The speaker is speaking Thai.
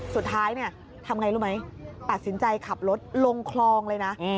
สุดท้ายทำไงรู้ไหมตัดสินใจขับรถลงคลองเลยนะ